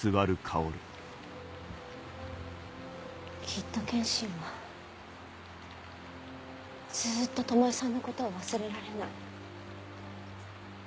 きっと剣心はずっと巴さんのことを忘れられない。